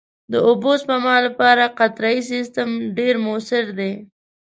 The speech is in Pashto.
د اوبو سپما لپاره قطرهيي سیستم ډېر مؤثر دی.